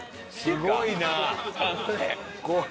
すごいなあ！